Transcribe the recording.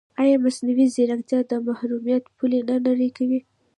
ایا مصنوعي ځیرکتیا د محرمیت پولې نه نری کوي؟